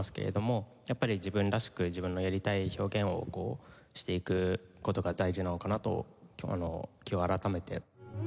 やっぱり自分らしく自分のやりたい表現をこうしていく事が大事なのかなと今日改めて。